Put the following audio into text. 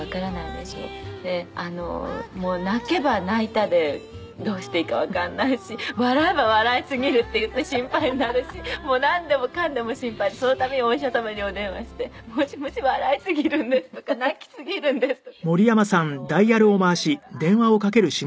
でもう泣けば泣いたでどうしていいかわかんないし笑えば笑いすぎるっていって心配になるしもうなんでもかんでも心配でその度にお医者様にお電話して「もしもし笑いすぎるんです」とか「泣きすぎるんです」とか色々言いながら。